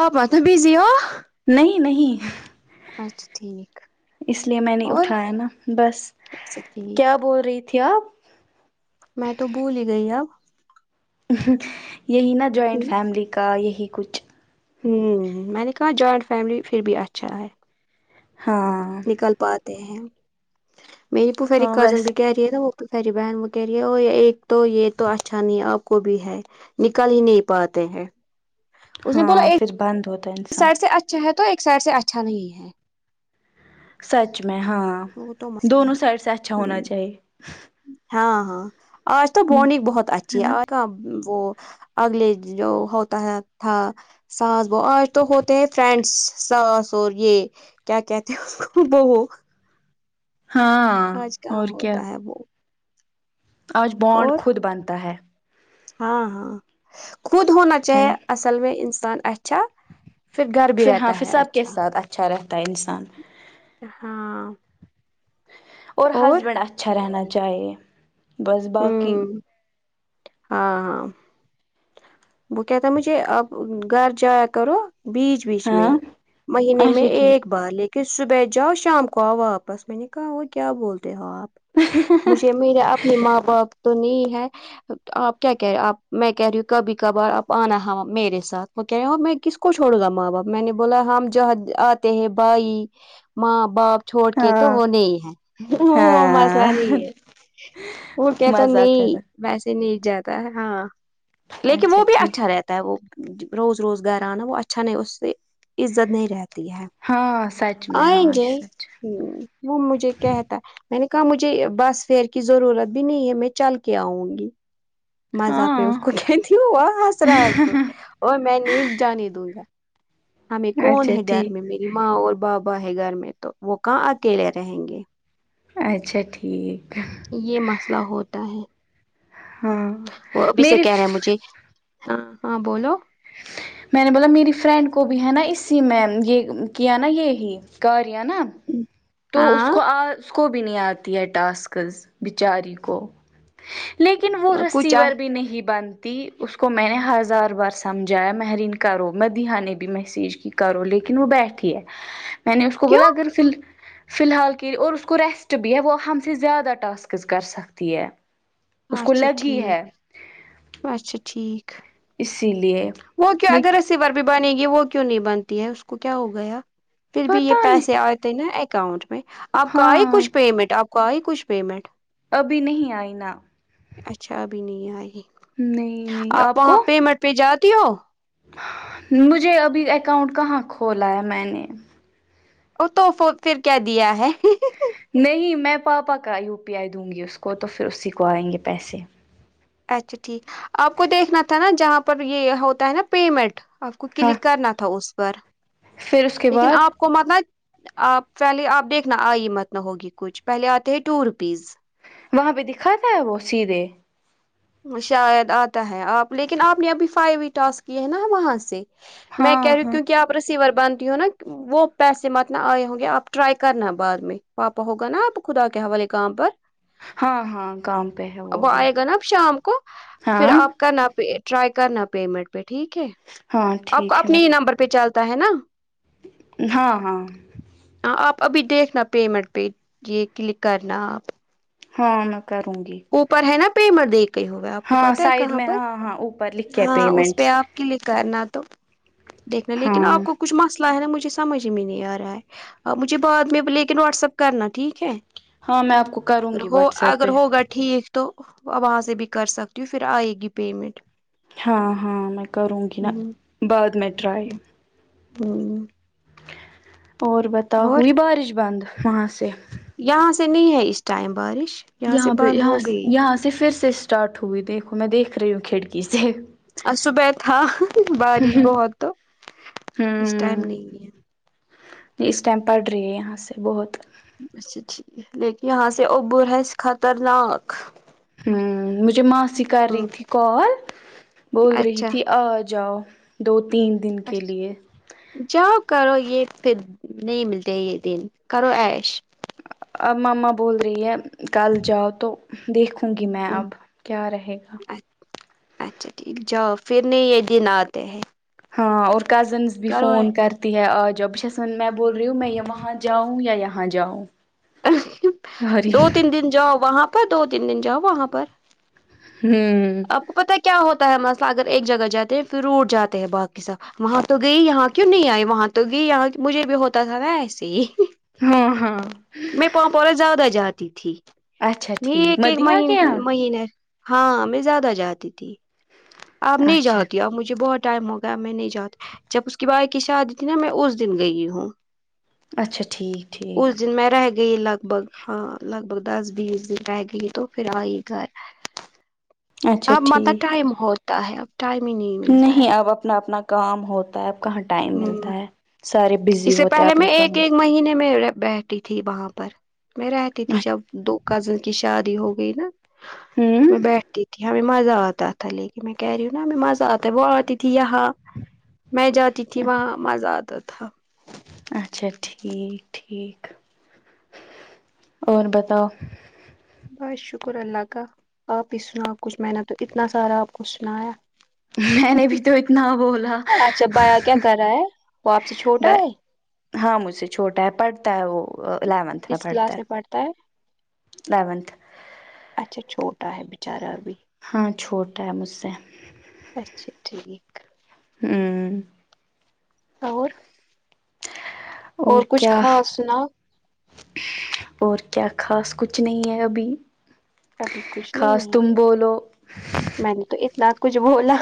آپ متو بزی ہ نہیں نہیں اچھا ٹھیک اس لیے میں نے اور اٹھایا نا بس اچھا ٹھیک کیا بول رہی تھی آپ میں تو بھول ہی گئی اب یہی نا جوائنٹ فیملی کا یہی کچھ ہوں میں نے کہاں جوائنٹ فیملی پھر بھی اچھا ہے ہاں ل پاتے ہیں میری پفری ہاں کزن بس بھی کہہی وہ سیری بہن وہ کہہ رہی ہے ا ایک تو یہ تو اچھا نہیں ہے آپ کو بھی ہے نکل ہی نہیں پاتے ہیں اس نے ہاں بولا پھر ایک بند ہوتا ہے انسان سائڈ سے اچھا ہے تو ایک سائڈ سے اچھا نہیں ہے سچ میں ہاں وہ تو مسئلہ دونوں سائڈ سے اچھا ہے ہونا چاہیے ہاں ہاں آج تو ہ بڈ بہت ہے نا اچھا جی وہ اگلے جو ہوتا ہے تھا ساس وہو آج تو ہوتے ہیں فرینڈس ساس اور یہ کیا کہتے ہیں ب ہاں آج کہاں اور کیا ہوتا ہے وہ آج بونڈ اور خود بنتا ہے ہاں ہاں خود ہونا ہے نا چاہے اصل میں انسان اچھا پھر گھر ف بھی ہاں رہتا ہے حساب کےے اچھا ساتھ اچھا رہتا ہے انسان ہاں اور ہسبینڈ اچھا رہنا چاہیے بس باقی ہوں ہاں ہاں وہ کہ تھا مجھے اب گھر جایا کرو بیچ بیچ ہاں میں مہینے میں اچھا ٹھیک ایک بہر لیکن صبحچ جاؤ شام کو آ واپس میں نے کہ کیا بولتے ہیں ہو آپ مجھے میرےا اپنے ماں باپ تو نہیں ہے آپ کیا کہہ رہے آپ میں کہہ رہی ہوں کبھی کبھار آپ آنا میرے ساتھ وہ کہہ رہے میں کس کو چھوڑ گا ماں باپ میں نے بولا ہم جہاں آتے ہیں بھائی ماں باپ چھوڑ کے تو ہاں وہ نہیں ہے وہ مسئلہ ہاں نہیں ہے وہ کہتا مزہ نہیں کرا ویسے نہیں جاتا ہے ہاں لیکن وہ بھی اچھا رہتا ہوتا ہے وہ روز روز گھر آنا وہ اچھا نہیں اس سے عزت نہیں رہتی ہے ہاں سچ میں آیں ہاں جی سچ ہ وہ مجھے کہتا میں نے کہا مجھے بس فیئر کی ضرورت بھی نہیں ہے میں چل کے آؤں گی مذاق میں ہاں اس کو کہتی ہس رہا اور میں ن جانے دوں گا ہمیں کون اچھا ہے گھر ٹھیک میں میں ماں اور بابا ہے گھر میں تو وہ کہاں اکیلے رہیں گے اچھا ٹھیک ہے یہ مسئلہ ہوتا ہے ہاں وہ ابھی سے میری کہہ رہے ہیں مجھے ہاں ہاں بولو میں نے بولا میری فرینڈ کو بھی ہے نا اسی میں یہ کیا نا یہی کاریا نا تو اس ہاں کو آ اس کو بھی نہیں آتی ہے ٹاسکز بچاری کو لیکن وہ کچھ آ ریسیور بھی نہیں بنتی اس کو میں نے ہزار برس سمجھا مرین کرو میں دیہ نے بھی میسیج کی کرو لیکن وہ بیٹھی ہے میں نے اس کو کیوں بلا کر فی الحال کے لیے اور اس کو ریسٹ بھی ہے وہ ہم سے زیادہ ٹاسکز کر سکتی ہے اس کو اچھا لگی ٹھیک ہے اچھا ٹھیک اسی لیے وہک اگر دیک ا ب بھی بنے گی وہ کیوں نہیں بنتی ہے اس کو کیا ہو گیا پھر بھی یہ پتا پیسے نہیں آتے نا اکاؤنٹ میں آپ کا آئی ہاں کچھ پیمنٹ آپ کا آئی کچھ پیمنٹ ابھی نہیں آئی نا اچھا ابھی نہیں آئے گی نہیں نہیں آپ وہاں کو پیمنٹ پہ جاتی ہو مجھے ابھی اکاؤنٹ کہاں کھولا ہے میں نے وہ توف پھر کیا دیا ہے نہیں میں پاپا کا یو پی آئی دوں گی اس کو تو پھر اسی کو آئیں گے پیسے اچھا ٹھیک آپ کو دیکھنا تھا نا جہاں پر یہ ہوتا ہے نا پیمنٹ آ کو ہاں کلک کرنا تھا اس پر پھر اس کے لیکن بعد آپ کو مطلب آپ پہلے آپ دیکھنا آئی متن ہوگی کچھ پہلے آتے ہیں ٹو روپیز وہاں پہ دکھا تھا ہے وہ سیدھے شاید آتا ہے آپ لیکن آپ نے ابھی فائیو و ٹسک کیے ہیں نا وہاں سے میں ہاں کہہ رہی ہوں ہاں کیونکہ آپ رسیور بنتی ہو نا وہ پیسے متنے آئے ہوں گے آپ ٹرائی کرنا بعد میں پاپا ہوگا نا آپ خدا کے حوالے کام پر ہاں ہاں کام پہ ہے وہ بھی ہم کو پھر ہاں آپ کرنا پ رائی کرنا پیمنٹ پہ ٹھیک ہے ہاں آپ کو ٹھیک ہے اپنے میں ہی نمبر پہ چلتا ہے نا ہاں ہاں ہاں آپ ابھی دیکھنا پیمنٹ پہ یہ یہ کلک کرنا آپ ہاں میں کروں گی اوپر ہے نا پیمر دیک گ ہوئے آپ کو ہاں پتا ہے سائڈ کہاں میں پر ہاں ہاں اوپر لکھے ہاں اس پہ پیمنٹس آپ کلک کرنا تو دیکھنا لیکن ہاں آپ کو کچھ مسئلہ ہے نا مجھے سمجھ میں نہیں آ رہا ہے مجھے بعد میں لیکن واٹس اپ کرنا ٹھیک ہے ہاں میں آپ کو کروں گی ہو واٹس ایپ اگر پہ ہوگا ٹھیک تو وہاں سے بھی کر سکتی ہوں پھر آئے گی پیمنٹ ہاں ہاں میں کروں گی نا ہ بعد میں ٹرائی [unintelligible] اور بتا اور ہوئی بارش بند وہاں سے یہاں سے نہیں ہے اس ٹائم بارش سے یہاں پہ بند یہاں ہو گئی یہاں سے پھر سے اسٹارٹ ہوئی دیکھو میں دیکھ رہی ہوں کھڑکی سے اور صبح تھا بارش بہت تو اس ٹائم نہیں ہے ج اس ٹائم پڑھ رہی ہے یہاں سے بہت اچھا ٹھیک ہے لیکن یہاں سے اوبر ہے خطرناک ہوں مجھے ماسی کر رہی ہوں تھی کال بول رہی اچھا تھی آ جاؤ دو تین دن کے اچھا لیے جاؤ کرو یہ پھر نہیں ملتے یہ دن کرو ایش ابماں بول رہی ہے کل جاؤ تو دیکھوں گی میں اب کیا رہے گا ا اچھا ٹھیک جاؤ پھر نہیں یہ دن آتے ہیں ہاں اور کزنس بھی کرو فون کرتے ہے آ جاؤ ب چس میں بول رہی ہوں میں وہاں جاؤں یا یہاں جاؤں ارے دو تین دن جاؤ وہاں پر دو تین دن جاؤ وہاں پر ہوں آپ کو پتا کیا ہوتا ہے مسئلہ اگر ایک جگہ جاتے ہیں پھر اٹ جے ہیں باقی ساب وہاں تو گئی یہاں کیوں نہیں آئی وہاں تو گئی یہاں مجھے بھی ہوتا تھا نا ایسے ہی ہاں ہاں میں پاؤ پورا زیادہ جاتی تھی اچھا میں ٹھیک ایک ایک مہ مدیحہ کے یہاں مہین ہاں میں زیادہ جاتی تھی اپ نہیں اچھا جاتتی اب مجھے بہت ٹائم ہو میں نہیں جاتا جب اس کی بائے کی شادی تھی نا میں اس دن گئی ہوں اچھا ٹھیک اس ٹھیک دن میں رہ گئی لگ بھگ ہاں لگ بھگ دس بیس دن رہ گئی تو پھر آئی گھر اچھا اب مطلب ٹھیک ٹائم ہوتا ہے اب ٹائم ہی ملتا نہیں ہے اب اپنا اپنا کام ہوتا اب کہاں ٹائم ہ ملتا ہے سارے بزی اس سے ہوتے ہیں پہلے میں اپنے کام ایک ایک مہینے میں بیٹھ تھی وہاں پر میں رہتی تھی جب دو کزن کی شادی ہو گئی نا ہوں میں بیٹھتی تھی ہمیں مزہ آتا تھا لیکن میں کرہوں نا ہمیں مزہ آتا ہے ب وہ آتی تھی یہاں میں جاتی تھی وہاں مزہ آتا تھا اچھا ٹھیک ٹھیک اور بتاؤ بس شکر اللہ کا آپ ہی سنا کچھ میں نے تو اتنا سارا آپ کو سنایا میں نے بھی تو اتنا بولا اچھا بایا کیا کر رہا ہے وہ آپ سے چھوٹا ہے ہاں مجھ سے چھوٹا ہے پڑھتا ہے وہ الیونتھ کس پڑھتا کلاس میں ہے اونتھ اچھا چھوٹا ہے بیچارا ابھی ہاں چھوٹ ہے مجھ سے اچھا ٹھیک ہاں ہوں اور اور کچھ کیا خاص سناؤ اور کیا خاص کچھ نہیں ہے ابھی ابھی کچھ خاص نہیں تم ہے بولو میں نے تو اتنا کچھ بولا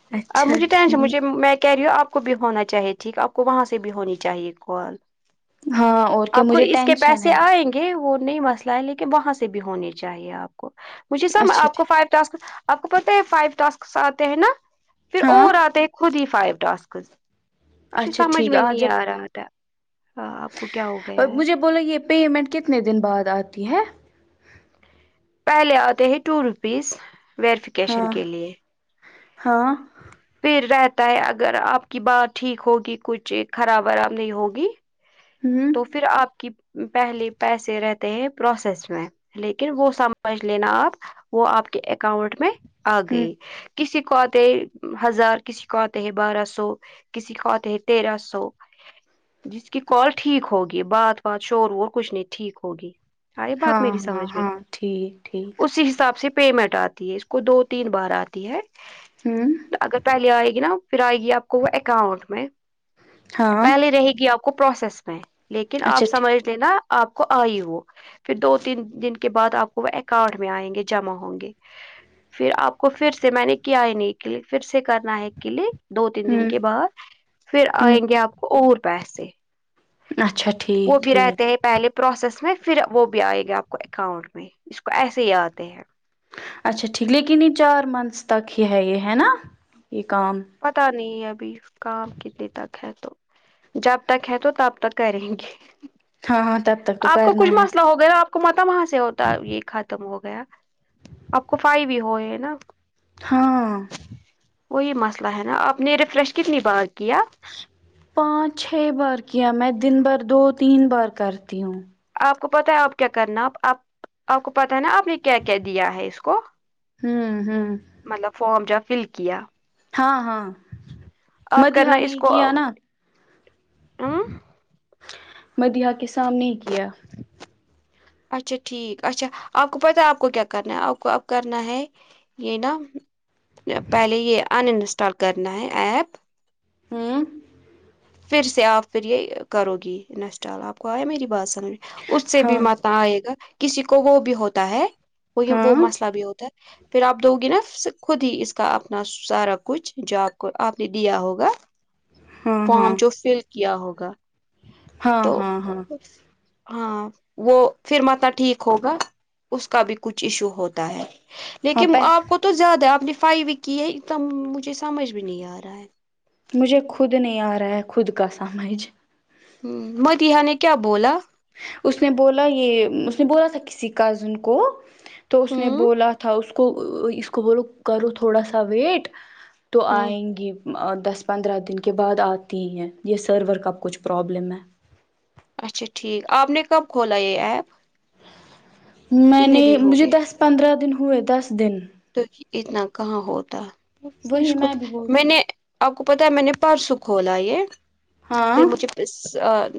ہ اب مجھے ٹینشن مجھے میں کہہ رہی ہوں آپ آپ کو بھی ہونا چاہیے ٹھیک ہے آپ کو وہاں سے بھی ہونی چاہیے کال ہاں اور کیا آپ کو مجھے اس کے ٹینشن پیسے ہے آئیں گے یہ وہ نئی مسئلہ ہے لیکن وہاں سے بھی ہونا چاہیے آپ کو مجھے سب اچھا آپ کو فو ٹھیک آپ کو پتہ یہ فائیو ٹاسکس آتے ہیں نا پھر ہاں اور آتے ہیں خود ہی فائی ٹاسکس اچھا سمجھ ٹھیک میں آج نہیں آ جب رہا تھا ہاں آپ کو کیا ہو گیا ہے مجھے بولو یہ پیمنٹ کتنے دن بعد آتی ہے پہلے آتے ہیں ٹو روپیز ویریفیکیشن ہاں کے لیے ہاں پھر رہتا ہے اگر آپ کی بات ٹھیک ہوگی کچھ خراب وراب نہیں ہوگی ہوں تو پھر آپ کی پہلے پیسے رہتے ہیں پروسیس میں لیکن وہ سمجھ لینا آپ وہ آپ کے اکاؤنٹ میں آ ہوں گئی کسی کو آتے ہزار کسی کو آتے ہے بارہ سو کسی کو آتے ہے تیرہ سو جس کی کال ٹھیک ہوگی بات بات شور وور کچھ نہیں ٹھیک ہوگی سار یہ بات ہاں میری ہاں سمجھ میں ہاں ٹھیک ٹھیک اسی حساب سے پیمنٹ آتی ہے اس کو دو تین بار آتی ہے ہوں اگر پہلے آئے گی نا پھر آئے گی آپ کو وہ اکاؤنٹ میں ہاں پہلے رہے گی آپ کو کو پروسیس میں لیکن آپ اچھا ٹھیک سمجھ لینا آپ کو آئی وہ پھر دو تین دن کے بعد آپ کو وہ اکاؤنٹ میں آئیں گے جمع ہوں گے پھر آپ کو پھر سے میں نے کیا ہی نہیں ے پھر سے کرنا ہے کے لیے دو تین دن ہوں کے بعد پھر ہوں آئیں گے آپ اور پسے اچھا وہ ٹھیک بھی رہتے ٹھیک ہیں پہلے پروسیس میں پھر وہ بھی آئے گا آپ کو اکاؤنٹ میں اس کو ایسے ہی آتے ہیں اچھا ٹھیک لیکن یہ چار منتھس تک ہی ہے یہ ہے نا یہ کام پتا نہیں ابھی کام کتنے تک ہے تو جب تک ہے تو تب تک کریں گے ہاں ہاں تب تک تو آپ کو کچھ کرنا ہے مسئلہ ہو گیا آپ کو مت وہاں سے ہوتا یہ کھ ختم ہو گیا آپ کو فائی بھی ہوئے نا ہاں وہی مسئلہ ہے نا آپ نے ریفریش کتنی بار کیا پانچ چھ بار کیا میں دن بار دو تین بار کرتی ہوں آپ کو پتا ہے آپ کیا کرنا آپ آپ آپ کو پتا ہے نا آپ نے کیا کیا دیا ہے اس کو ہوں ہوں مطلب فارم جا فل کیا ہاں ہاں م آپ دیہ کرنا نے اس کو کیا نا ہمم مدیہ کے سامنے ہی کیا اچھا ٹھیک اچھا آپ کو پتا آپ کو کیا کرنا ہے آپ کو اب کرنا ہے یہ نا پہلے یہ ان انسٹال کرنا ہے ایپ ہاں پھر سے آپ پھر یہ کرو گی انسٹال آپ کو آیا میری بات سمجھ میں اس سے بھی ہاں مت آئے گا کسی کو وہ بھی ہوتا ہے وہ وہ ہاں مسئلہ بھی ہوتا ہے پھر آپ دو گ ن خود ہی اس کا اپنا سارا کچھ جو آپ کو آپ نے دیا ہوگا ہاں فارم ہاں جو فل کیا ہوگا ہاں تو ہاں ہاں ہاں وہ پھر مت ٹھیک ہوگا اس کا بھی کچھ ایشو ہوتا ہے ہاں لیکن پہ آپ کو تو زیادہ ہے آپ نے فائی بھی کی ہے تم مجھے سمجھ بھی نہیں آ رہا ہے مجھے خود نہیں آ رہا ہے خود کا سمجھ مت یہ نے کیا بولا اس نے بولا یہ اس نے بولا تھا کسی کزن کو تو ہ اس نے بولا تھا اس کو اس کو بولو کرو تھوڑا سا ویٹ تو ہ آئیں گی دس پندرہ دن کے بعد آتی ہیں یہ سرور کا کچھ پرابلم ہے اچھا ٹھیک آپ نے کب کھولا یہ ایپ میں کتنے نے دن ہو مجھے گئے دس پندرہ دن ہوئے دس دن تو اتنا کہاں ہوتا اس وہی کو میں بھی بول میں نے آپ کو پتا ہے میں نے پرسو کھولا یہ ہاں پھر مجھے س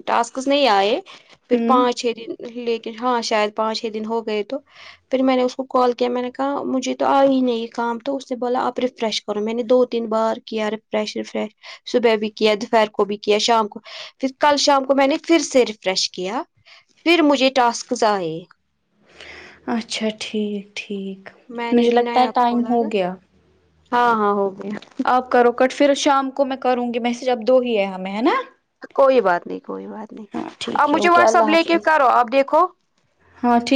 ٹاسکس نہیں آئے پھر ہوں پانچ چھ دن لیکن ہاں شاید پانچ چھ دن ہو گئے تو پھر میں نے اس کو کال کیا میں نے کہا مجھے تو آئی ن یہ کام تو اس نے بولا آپ ریفریش کرو میں نے دو تین بار کیا ریفریش رفریش صبح بھی کیا دوپہر کو بھی کیا شام کو پھر کل شام کو میں نے پھر سے ریفریش کیا پھر مجھے ٹاسکز آئے اچھا ٹھیک ٹھیک میں نے مجھے بھی لگتا ہے نیا ٹائم کھولا ہو نا گیا ہاں ہاں ہوگی آپ کرو کٹ پھر شام کو میں کروں گی میسج اب دو ہی ہے ہمیں ہے نا کوئی بات نہیں کوئی بات نہیں ہاں آپ ٹھیک ہے مجھے اوکے واٹسپ اللہ لے کے حافظ کرو آپ دیکھو ہاں ٹھیک